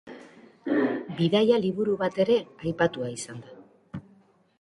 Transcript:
Bidaia-liburu bat ere aipatua izan da.